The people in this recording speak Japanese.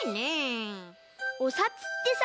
おさつってさ